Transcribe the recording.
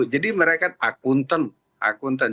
jadi mereka akuntan